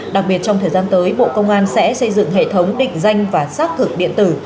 đặc biệt trong thời gian tới bộ công an sẽ xây dựng hệ thống định danh và xác thực điện tử